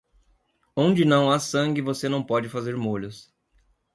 Onde não há sangue, você não pode fazer molhos.